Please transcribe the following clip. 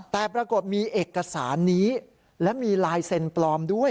แต่ปรากฏมีเอกสารนี้และมีลายเซ็นปลอมด้วย